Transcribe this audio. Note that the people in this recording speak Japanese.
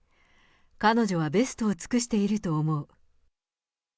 彼女はベストを尽くしていると思う。